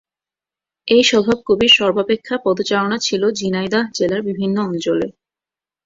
এই স্বভাব কবির সর্বাপেক্ষা পদচারণা ছিল ঝিনাইদহ জেলার বিভিন্ন অঞ্চলে।